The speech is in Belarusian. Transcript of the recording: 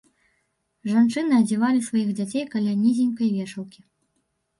Жанчыны адзявалі сваіх дзяцей каля нізенькай вешалкі.